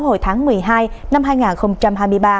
hồi tháng một mươi hai năm hai nghìn hai mươi ba